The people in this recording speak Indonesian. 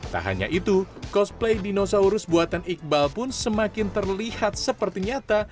tak hanya itu cosplay dinosaurus buatan iqbal pun semakin terlihat seperti nyata